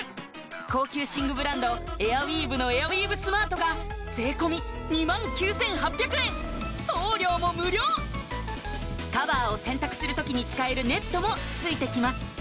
高級寝具ブランドエアウィーヴのエアウィーヴスマートが税込２９８００円送料も無料カバーを洗濯する時に使えるネットも付いてきます